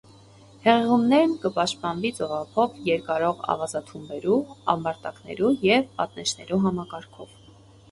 Հեղեղումներէն կը պաշտպանուի ծովափով երկարող աւազաթումբերու, ամբարտակներու եւ պատնէշներու համակարգով։